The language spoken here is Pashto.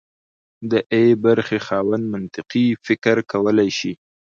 د ای برخې خاوند منطقي فکر کولی شي.